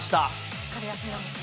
しっかり休んでほしい。